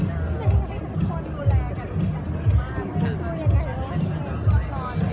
แล้วต้องกินก็ไม่มีอะไรมันก็จะต้องกินบ้างอะไรดี